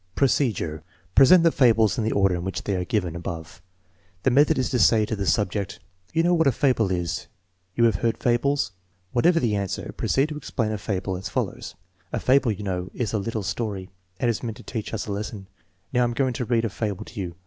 Procedure. Present the fables in the order in which they arc given above. The method is to say to the subject: 292 THE MEASUREMENT OF INTELLIGENCE " You know what a fdbh is? You have heard fables? " Whatever the answer, proceed to explain a fable as fol lows: " A fable, you k?iow, is a little story , and is meant to teach us a lesson. Now, I am going to read a fable to you.